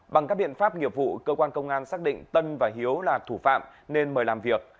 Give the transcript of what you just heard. bằng các biện pháp nghiệp vụ cơ quan công an xác định tân và hiếu là thủ phạm nên mời làm việc